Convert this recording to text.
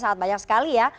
sangat banyak sekali ya